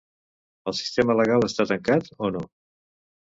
El sistema legal està tancat, o no?